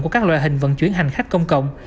của các loại hình vận chuyển hành khách công cộng